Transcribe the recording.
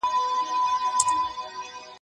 زه بايد د کتابتون د کار مرسته وکړم!؟